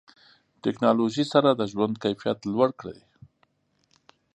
ټکنالوژي سره د ژوند کیفیت لوړ کړئ.